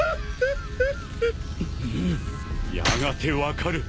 んんやがて分かる！